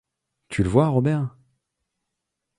Tu le vois, Robert.